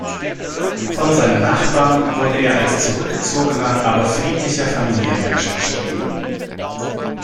Von seinen Nachbarn wurde er als zurückgezogener, aber friedlicher Familienmensch beschrieben.